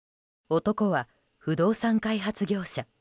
男は不動産開発業者。